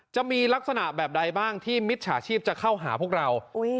จะมีลักษณะแบบใดบ้างที่มิจฉาชีพจะเข้าหาพวกเรา